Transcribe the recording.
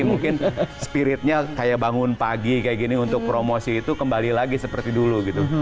mungkin spiritnya kayak bangun pagi kayak gini untuk promosi itu kembali lagi seperti dulu gitu